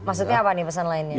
maksudnya apa nih pesan lainnya